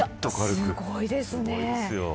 すごいですね。